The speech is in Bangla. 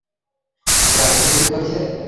একজন প্রহরী রুক্মিণীকে সঙ্গে করিয়া আনিল।